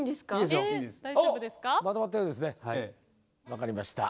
分かりました。